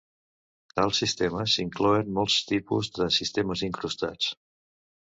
Tals sistemes incloent molts tipus de sistemes incrustats.